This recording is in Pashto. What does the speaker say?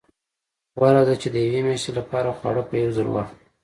غوره ده چې د یوې میاشتې لپاره خواړه په یو ځل واخلو.